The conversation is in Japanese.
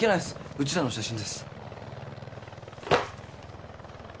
ウチらの写真です。